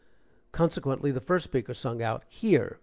Consequently, the first speaker sung out, "Here!"